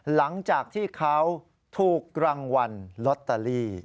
หลังจากที่เขาถูกรางวัลลอตเตอรี่